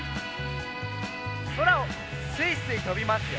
そらをすいすいとびますよ。